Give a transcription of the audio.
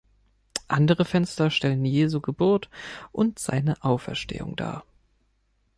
Andere Fenster stellen Jesu Geburt und seine Auferstehung dar.